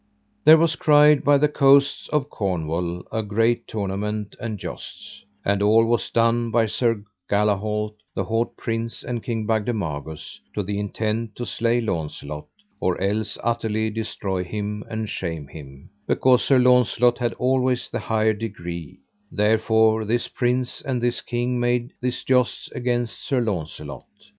There was cried by the coasts of Cornwall a great tournament and jousts, and all was done by Sir Galahalt the haut prince and King Bagdemagus, to the intent to slay Launcelot, or else utterly destroy him and shame him, because Sir Launcelot had always the higher degree, therefore this prince and this king made this jousts against Sir Launcelot.